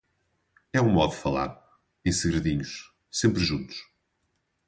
É um modo de falar. Em segredinhos, sempre juntos.